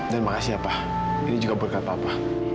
dan makasih apa ini juga berkat papa